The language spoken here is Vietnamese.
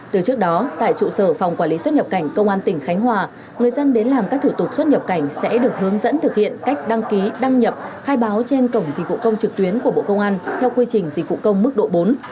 từ trước đó tại trụ sở phòng quản lý xuất nhập cảnh công an tỉnh khánh hòa người dân đến làm các thủ tục xuất nhập cảnh sẽ được hướng dẫn thực hiện cách đăng ký đăng nhập khai báo trên cổng dịch vụ công trực tuyến của bộ công an theo quy trình dịch vụ công mức độ bốn